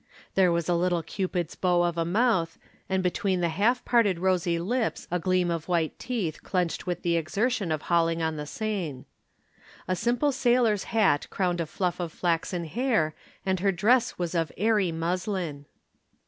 There was a little Cupid's bow of a mouth, and between the half parted rosy lips a gleam of white teeth clenched with the exertion of hauling in the seine. A simple sailor's hat crowned a fluff of flaxen hair, and her dress was of airy muslin.